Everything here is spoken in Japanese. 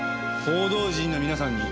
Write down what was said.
報道陣の皆さんに。